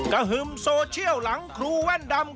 หึ่มโซเชียลหลังครูแว่นดำ